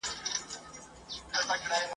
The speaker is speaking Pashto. په خپل عقل او په پوهه دنیادار یې ..